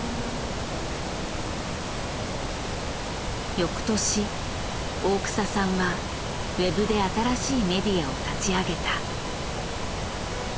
よくとし大草さんはｗｅｂで新しいメディアを立ち上げた。